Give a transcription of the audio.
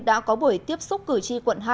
đã có buổi tiếp xúc cử tri quận hai